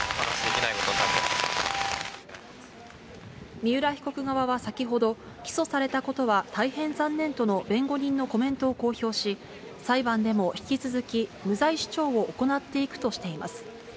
三浦被告側は先ほど、起訴されたことは大変残念との弁護人のコメントを公表し、裁判でも引き続き、無罪主張を行っていくとしています。